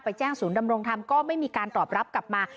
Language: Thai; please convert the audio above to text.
แจ้งศูนย์ดำรงธรรมก็ไม่มีการตอบรับกลับมา